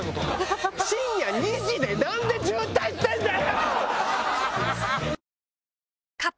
深夜２時でなんで渋滞してんだよ！